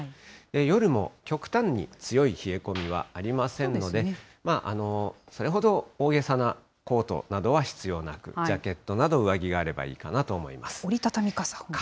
夜も極端に強い冷え込みはありませんので、それほど大げさなコートなどは必要なく、ジャケットなど上着があればいいかなと思いま折り畳み傘。